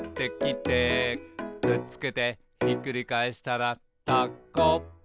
「くっつけてひっくり返したらタコ」